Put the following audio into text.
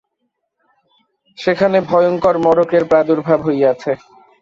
সেখানে ভয়ংকর মড়কের প্রাদুর্ভাব হইয়াছে।